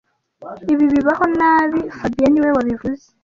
Ibi bibaho nabi fabien niwe wabivuze